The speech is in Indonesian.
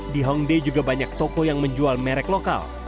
di hongdae juga banyak toko yang menjual merek lokal